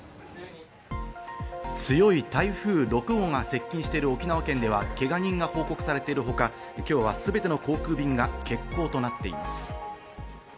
強い台風６号が接近している沖縄県ではけが人の報告されている他、今日は全ての航空便が欠航となっています。